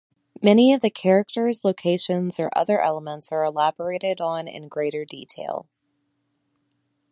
Many of the characters, locations, or other elements are elaborated on in greater detail.